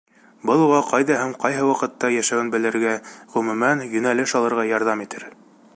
Был уға ҡайҙа һәм ҡайһы ваҡытта йәшәүен белергә, ғөмүмән, йүнәлеш алырға ярҙам итер.